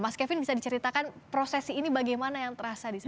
mas kevin bisa diceritakan prosesi ini bagaimana yang terasa di sana